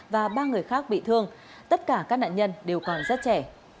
và ba người khác bị thương tất cả các nạn nhân đều còn rất trẻ